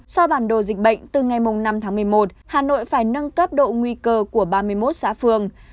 so với bản đồ dịch bệnh từ ngày năm tháng một mươi một hà nội phải nâng cấp độ nguy cơ của ba mươi một xã phương